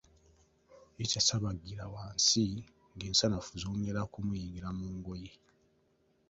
Yeesaasabagira wansi ng’ensanafu zongera kumuyingira mu ngoye.